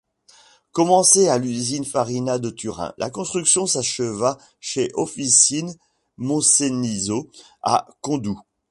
Commencée à l’usine Farina de Turin, la construction s’acheva chez Officine Monceniso à Condoue.